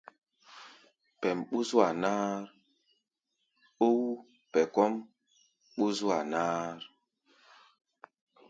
Pɛʼm ɓú-zua-náár ou pɛ kɔ́ʼm ɓú-zúa-náár.